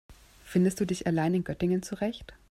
Findest du dich allein in Göttingen zurecht?